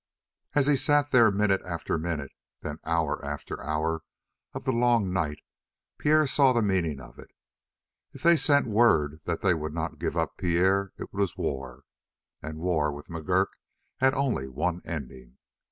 As he sat there minute after minute and then hour after hour of the long night Pierre saw the meaning of it. If they sent word that they would not give up Pierre it was war, and war with McGurk had only one ending.